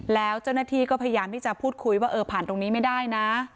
แล้วเจ้าหน้าที่ก็พยายามที่จะพูดคุยว่าเออผ่านตรงนี้ไม่ได้นะ